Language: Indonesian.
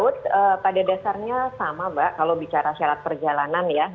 ya udara dan laut pada dasarnya sama mbak kalau bicara syarat perjalanan ya